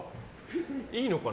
いいのかな？